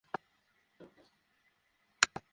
কিন্তু ওদের অধিকাংশই মুমিন নয়।